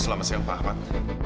selamat siang pak ahmad